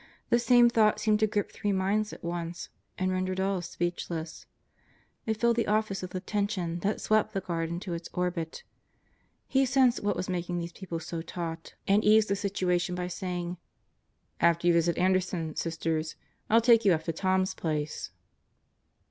The same thought seemed to grip three minds at once and rendered all speechless. It filled the office with a tension that swept the guard into its orbit. He sensed what was making these people so taut, 70 God Goes to Murderers Row and eased the situation by saying: "After you visit Anderson, Sisters, I'll take you up to Tom's place."